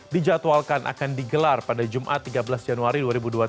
dijadwalkan akan digelar pada jumat tiga belas januari dua ribu dua puluh